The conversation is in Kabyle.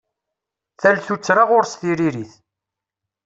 Tal tuttra ɣur-s tiririt.